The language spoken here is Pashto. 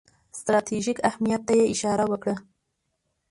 ستراتیژیک اهمیت ته یې اشاره وکړه.